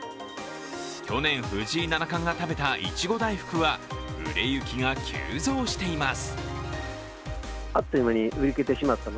去年、藤井七冠が食べたいちご大福は売れ行きが急増しています。